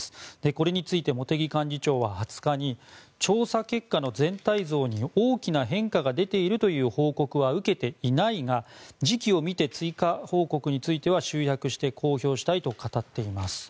これについて茂木幹事長は２０日に調査結果の全体像に大きな変化が出ているという報告は受けていないが時期を見て追加報告については集約して、公表したいと語っています。